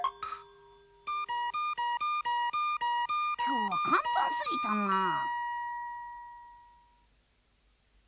きょうはかんたんすぎたなぁ。